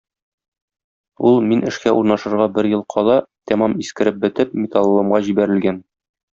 Ул, мин эшкә урнашырга бер ел кала, тәмам искереп бетеп, металлоломга җибәрелгән.